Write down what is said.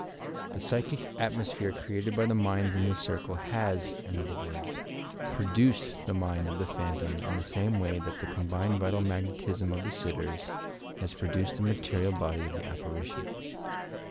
The psychic atmosphere 344 YOUR PSYCHIC POWERS created by the minds in the circle has, in other words, produced the mind of the phantom in the same way that the combined vital magnetism o£ the sitters has produced the material body of the apparition.